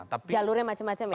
jalurnya macam macam ya